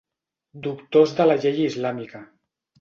Doctors de la llei islàmica.